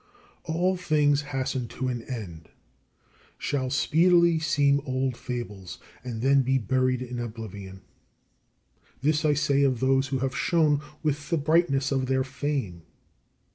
All things hasten to an end, shall speedily seem old fables, and then be buried in oblivion. This I say of those who have shone with the brightness of their fame.